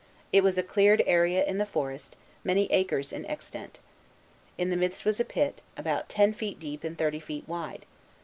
It was a cleared area in the forest, many acres in extent. In the midst was a pit, about ten feet deep and thirty feet wide.